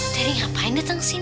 teri ngapain dateng sini